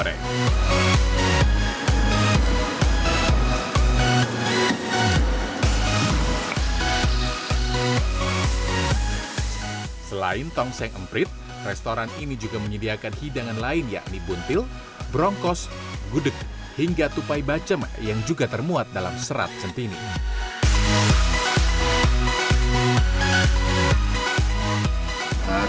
jelaskan bahwa beraneka ragam makanan pokok lauk payun sampai snek itu diungkapkan di serat centini itu